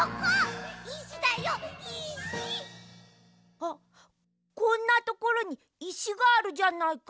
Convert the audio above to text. あっこんなところにいしがあるじゃないか。